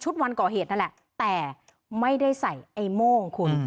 วันก่อเหตุนั่นแหละแต่ไม่ได้ใส่ไอ้โม่งคุณ